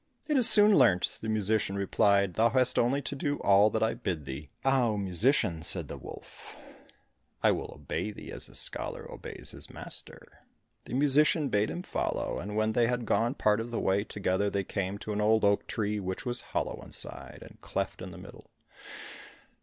"It is soon learnt," the musician replied, "thou hast only to do all that I bid thee." "Oh, musician," said the wolf, "I will obey thee as a scholar obeys his master." The musician bade him follow, and when they had gone part of the way together, they came to an old oak tree which was hollow inside, and cleft in the middle.